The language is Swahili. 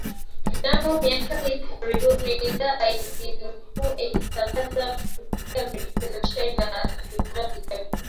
Mnamo miaka ya hivi karibuni idhaa imekua na inatangaza kupitia redio, televisheni na mitandao ya kijamii